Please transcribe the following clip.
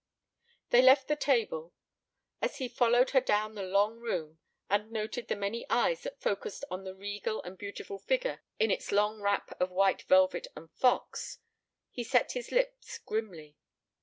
They left the table. As he followed her down the long room and noted the many eyes that focussed on the regal and beautiful figure in its long wrap of white velvet and fox he set his lips grimly.